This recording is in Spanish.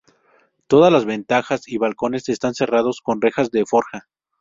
Todas las ventanas y balcones están cerrados con rejas de forja.